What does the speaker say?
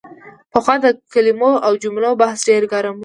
پخوا د کلمو او جملو بحث ډېر ګرم و.